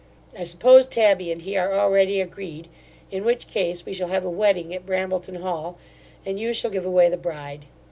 I suppose Tabby and he are already agreed; in which case, we shall have a wedding at Brambleton hall, and you shall give away the bride.